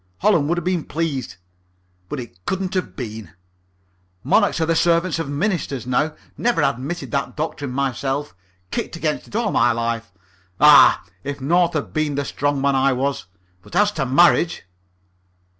Holland would have been pleased. But it couldn't be done. Monarchs are the servants of ministers now. Never admitted that doctrine myself. Kicked against it all my life. Ah, if North had been the strong man I was! But as to marriage....